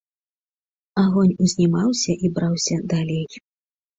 Агонь узнімаўся і браўся далей.